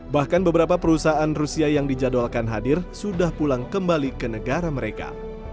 bahkan beberapa perusahaan rusia yang dijadwalkan hadir sudah pulang kembali ke negara mereka